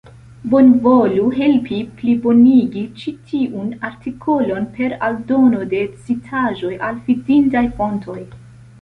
Bonvolu helpi plibonigi ĉi tiun artikolon per aldono de citaĵoj al fidindaj fontoj.